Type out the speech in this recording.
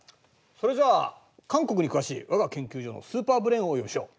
それじゃあ韓国に詳しい我が研究所のスーパーブレーンをお呼びしよう。